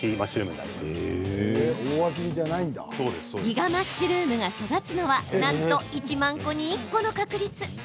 ギガマッシュルームが育つのはなんと１万個に１個の確率！